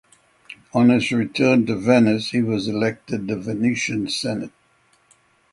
On his return to Venice he was elected to the Venetian Senate.